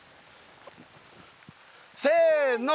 せの！